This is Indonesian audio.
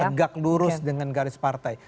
tegak lurus dengan garis partai